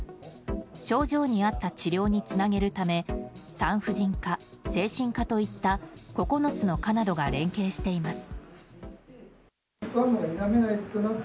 症状に合った治療につなげるため産婦人科、精神科といった９つの科などが連携しています。